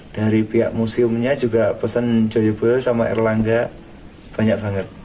dari pihak museumnya juga pesen joyobo sama erlangga banyak banget